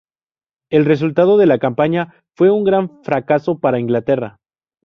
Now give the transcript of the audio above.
El resultado de la campaña fue un gran fracaso para Inglaterra.